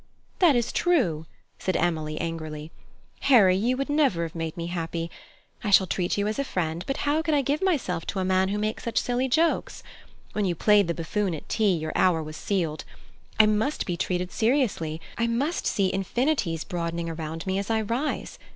"That is true," said Emily angrily. "Harry, you would never have made me happy. I shall treat you as a friend, but how could I give myself to a man who makes such silly jokes? When you played the buffoon at tea, your hour was sealed. I must be treated seriously: I must see infinities broadening around me as I rise.